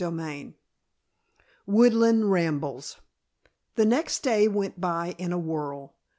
CHAPTER XII WOODLAND RAMBLES The next day went by in a whirl.